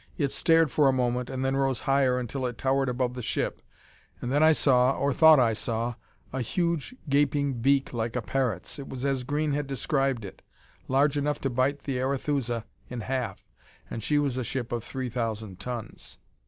It stared for a moment and then rose higher until it towered above the ship; and then I saw, or thought I saw, a huge gaping beak like a parrot's. It was as Green had described it, large enough to bite the Arethusa in half, and she was a ship of three thousand tons.